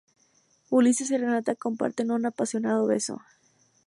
Ulises y Renata comparten un apasionado beso.